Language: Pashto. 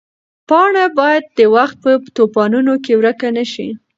پاڼه باید د وخت په توپانونو کې ورکه نه شي.